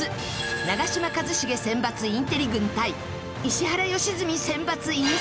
長嶋一茂選抜インテリ軍対石原良純選抜インテリ軍。